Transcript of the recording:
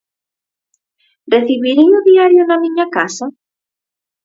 Recibirei o diario na miña casa?